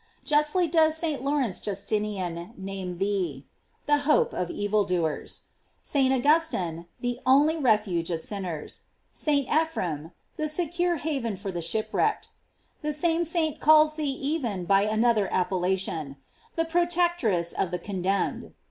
"* Justly does St. Laurence Justinian name thee : "The hope of evil doers."f St. Augustine : "The only ref uge of sinners."J St. Ephrem : "The secure haven for the shipwrecked. "§ The same saint calls thee even by another appellation : "The pro tectress of the condemned."!